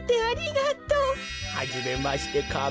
はじめましてカメ。